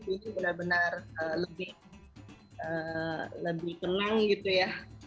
ini benar benar lebih tenang gitu ya